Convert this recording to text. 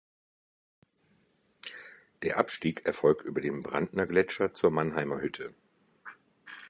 Der Abstieg erfolgt über den Brandner Gletscher zur Mannheimer Hütte.